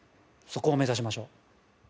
そこを目指しましょう。